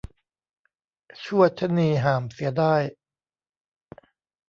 ชวดชะนีห่ามเสียได้